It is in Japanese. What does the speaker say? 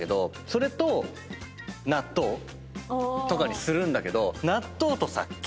それと納豆とかにするんだけど。